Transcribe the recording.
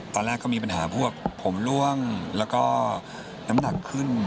ตอนแรกก็มีปัญหาพวกผมล่วงแล้วก็น้ำหนักขึ้น